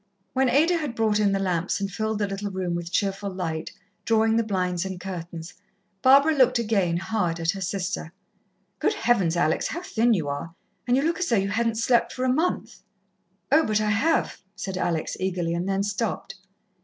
When Ada had brought in the lamps and filled the little room with cheerful light, drawing the blinds and curtains, Barbara looked again hard at her sister. "Good heavens, Alex, how thin you are! and you look as though you hadn't slept for a month." "Oh, but I have," said Alex eagerly, and then stopped.